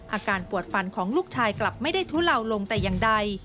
อาการปวดฟันของลูกชายกลับไม่ได้ทุเลาลงแต่อย่างใด